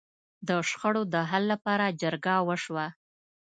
د شخړو د حل لپاره جرګه وشوه.